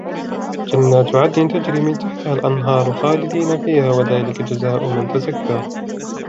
جَنَّاتُ عَدْنٍ تَجْرِي مِنْ تَحْتِهَا الْأَنْهَارُ خَالِدِينَ فِيهَا وَذَلِكَ جَزَاءُ مَنْ تَزَكَّى